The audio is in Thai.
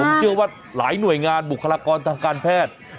ผมเชื่อว่าหลายหน่วยงานบุคลากรทางการแพทย์